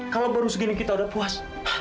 kalau baru segini kita udah puas